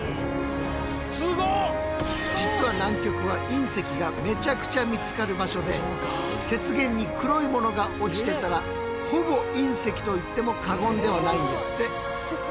実は南極は隕石がめちゃくちゃ見つかる場所で雪原に黒いものが落ちてたらほぼ隕石と言っても過言ではないんですって。